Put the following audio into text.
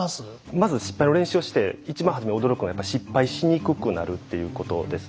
まず失敗の練習をして一番初めに驚くのが失敗しにくくなるということです。